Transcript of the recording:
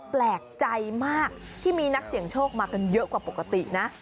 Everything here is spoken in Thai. แปลกใจมากที่มีนักเสี่ยงโชคมากันเยอะกว่าปกตินะ